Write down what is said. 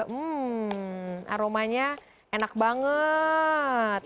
hmm aromanya enak banget